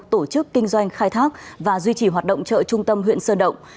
tổ chức kinh doanh khai thác và duy trì hoạt động chợ trung tâm huyện sơn động